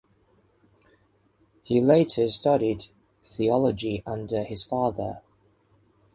He later studied theology under his father.